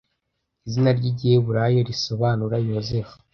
Izina ry'igiheburayo risobanura Yozefu